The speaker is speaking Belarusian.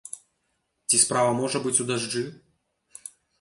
Ці справа можа быць у дажджы?